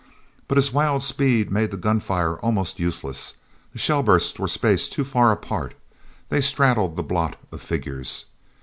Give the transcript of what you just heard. But his wild speed made the gunfire almost useless. The shell bursts were spaced too far apart; they straddled the blot of figures.